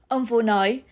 ông phu nói